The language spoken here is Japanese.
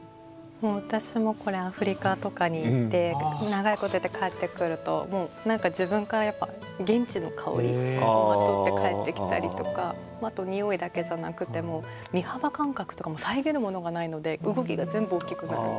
私もこれアフリカとかに行って長いこと行って帰ってくると何か自分から現地の香りをまとって帰ってきたりとかあとにおいだけじゃなくても身幅感覚とかも遮るものがないので動きが全部大きくなる。